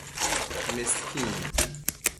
مسکین